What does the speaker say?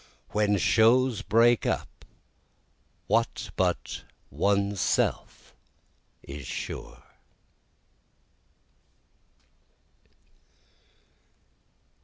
When shows break up what but One's Self is sure?